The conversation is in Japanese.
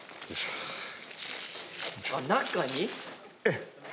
中に⁉ええ。